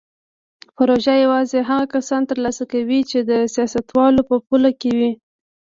پروژې یوازې هغه کسان ترلاسه کوي چې د سیاستوالو په پلو کې وي.